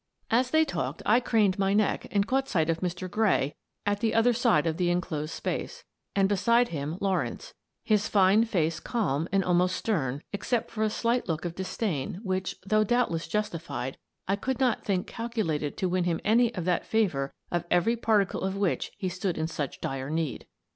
As they talked, I craned my neck and caught sight of Mr. Gray, at the other side of the enclosed space, and beside him Lawrence, his fine face calm and almost stern, except for a slight look of dis dain which, though doubtless justified, I could not think calculated to win him any of that favour of every particle of which he stood in such dire need.